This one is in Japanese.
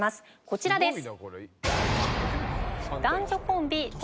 こちらです。